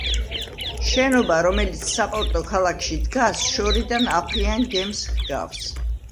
შენობა, რომელიც საპორტო ქალაქში დგას, შორიდან აფრიან გემს ჰგავს.